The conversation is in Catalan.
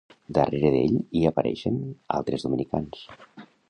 Darrere d"ell hi apareixen altres dominicans.